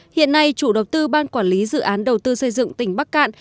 hiện nay chủ đầu tư ban quản lý dự án đầu tư xây dựng tỉnh bắc cạn